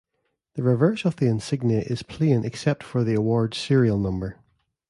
The reverse of the insignia is plain except for the award serial number.